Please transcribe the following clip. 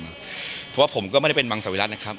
เพราะว่าผมก็ไม่ได้เป็นมังสวิรัตินะครับ